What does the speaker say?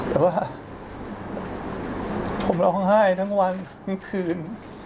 แต่ว่าผมร้องไห้ทั้งวันทั้งคืน